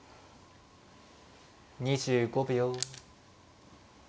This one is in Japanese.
２５秒。